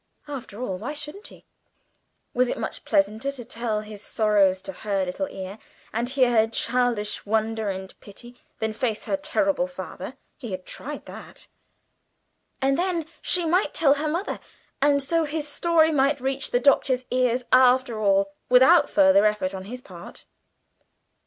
After all, why shouldn't he? It was much pleasanter to tell his sorrows to her little ear and hear her childish wonder and pity than face her terrible father he had tried that. And then she might tell her mother; and so his story might reach the Doctor's ears after all, without further effort on his part.